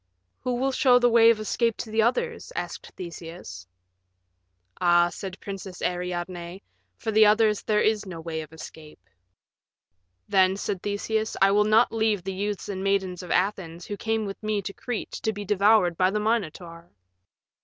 "Who will show the way of escape to the others?" asked Theseus. "Ah," said the Princess Ariadne, "for the others there is no way of escape." "Then," said Theseus, "I will not leave the youths and maidens of Athens who came with me to Crete to be devoured by the Minotaur."